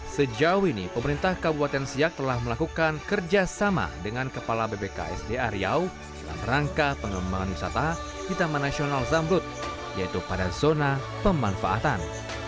sejauh ini pemerintah kabupaten siak telah melakukan kerjasama dengan kepala bbksda riau dalam rangka pengembangan wisata di taman nasional zambrut yaitu pada zona pemanfaatan